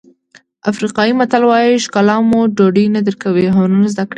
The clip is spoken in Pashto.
افریقایي متل وایي ښکلا مو ډوډۍ نه درکوي هنر زده کړئ.